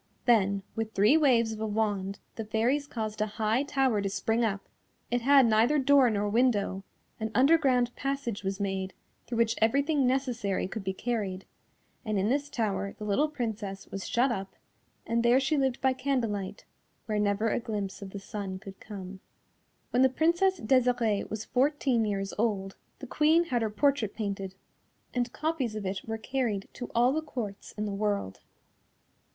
Then, with three waves of a wand, the Fairies caused a high tower to spring up; it had neither door nor window, an underground passage was made, through which everything necessary could be carried, and in this tower the little Princess was shut up and there she lived by candlelight, where never a glimpse of the sun could come. When the Princess Desirée was fourteen years old, the Queen had her portrait painted, and copies of it were carried to all the Courts in the world.